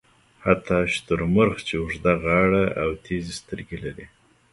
حتی شترمرغ چې اوږده غاړه او تېزې سترګې لري.